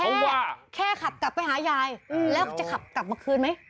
บอกแค่ขับกลับไปหายายแล้วจะขับกลับมาคืนไหม